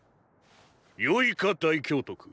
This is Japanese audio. よいか大教督！